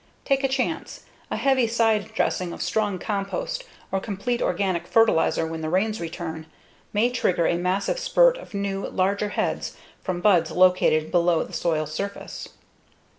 Take a chance: a heavy side dressing of strong compost or complete organic fertilizer when the rains return may trigger a massive spurt of new, larger heads from buds located below the soil's surface.